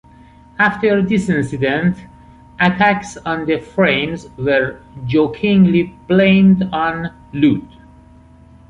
After this incident, attacks on the frames were jokingly blamed on Ludd.